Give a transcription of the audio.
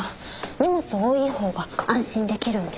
荷物多いほうが安心できるんで。